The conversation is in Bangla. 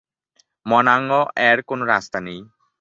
মনাঙ-এ কোন রাস্তা নেই।